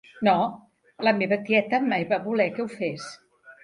No, la meva tieta mai va voler que ho fes.